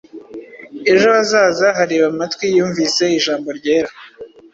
Ejo hazaza hareba Amatwi yumvise Ijambo ryera